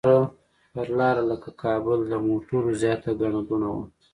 پر لاره لکه کابل د موټرو زیاته ګڼه ګوڼه وه.